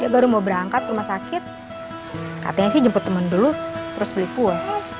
dia baru mau berangkat rumah sakit katanya sih jemput temen dulu terus beli kue